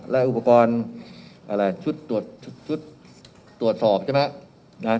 และอุปกรณ์ชุดตรวจสอบนะครับ